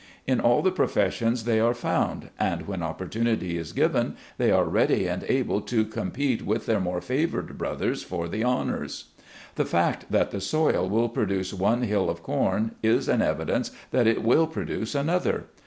In all the professions they are found, and when opportunity is given they are ready and able to compete with their more favored brothers for the honors. The fact that the soil will produce one hill of corn, is an evidence that it will produce another.